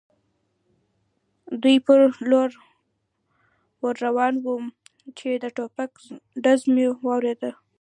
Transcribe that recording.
دوی پر لور ور روان ووم، چې د ټوپک ډز مې واورېد.